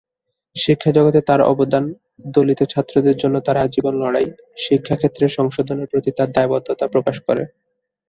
শিক্ষা জগতে তার অবদান, দলিত ছাত্রদের জন্যে তার আজীবন লড়াই, শিক্ষাক্ষেত্রে সংশোধনের প্রতি তার দায়বদ্ধতা প্রকাশ করে।